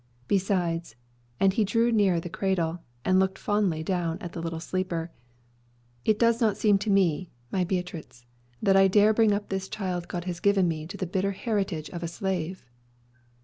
"Besides" and he drew nearer the cradle, and looked fondly down at the little sleeper "it does not seem to me, my Beatriz, that I dare bring up this child God has given me to the bitter heritage of a slave."